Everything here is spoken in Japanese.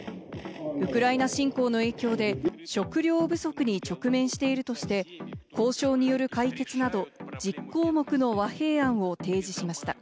ウクライナ侵攻の影響で食料不足に直面しているとして、交渉による解決など、１０項目の和平案を提示しました。